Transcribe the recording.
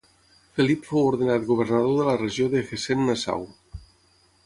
Felip fou ordenat governador de la regió de Hessen-Nassau.